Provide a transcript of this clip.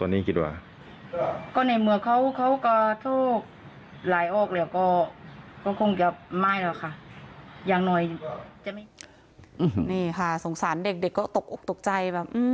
นี่ค่ะสงสารเด็กก็ตกใจแบบ